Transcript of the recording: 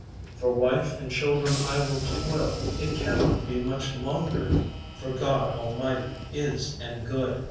"For wife and children I will toil: It cannot be much longer (For God almighty is and good!)